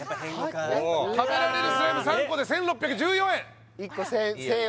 食べられるスライム３個で１６１４円１個１０００円